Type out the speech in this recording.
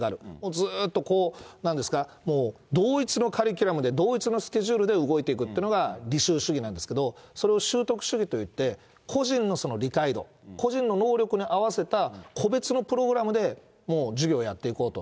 ずっとなんですか、同一のカリキュラムで同一のスケジュールで動いていくっていうのが履修主義なんですけれども、それを習得主義といって、個人の理解度、個人の能力に合わせた個別のプログラムでもう授業をやっていこうと。